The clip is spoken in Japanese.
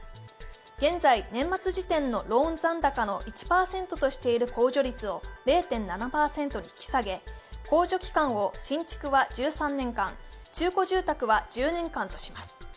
現在、年末時点のローン残高の１％としている控除率を０．７％に引き下げ、控除期間を新築は１３年間、中古住宅は１０年間とします。